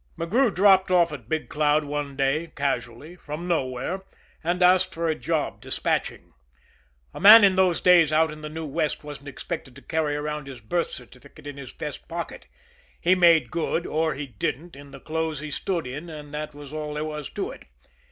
McGrew dropped off at Big Cloud one day, casually, from nowhere, and asked for a job despatching. A man in those days out in the new West wasn't expected to carry around his birth certificate in his vest pocket he made good or he didn't in the clothes he stood in, that was all there was to it.